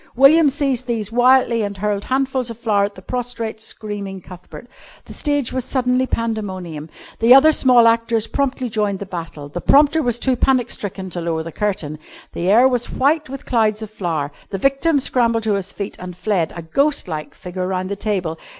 William seized these wildly and hurled handfuls of flour at the prostrate, screaming Cuthbert. The stage was suddenly pandemonium. The other small actors promptly joined the battle. The prompter was too panic stricken to lower the curtain. The air was white with clouds of flour. The victim scrambled to his feet and fled, a ghost like figure, round the table.